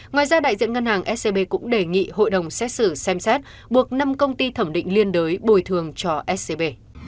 ngoài ra đại diện ngân hàng scb cũng đề nghị hội đồng xét xử xem xét buộc năm công ty thẩm định liên đới bồi thường cho scb